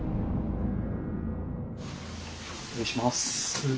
失礼します。